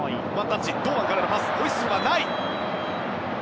堂安からのパスホイッスルはない。